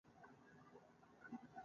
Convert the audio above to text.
زه اوسمهال په موځیلا عام غږ کې کار کوم 😊!